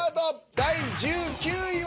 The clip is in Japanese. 第１９位は。